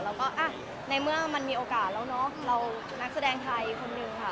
แล้วก็ในเมื่อมันมีโอกาสแล้วเนอะเรานักแสดงไทยคนหนึ่งค่ะ